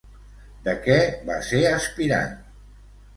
De què va ser aspirant?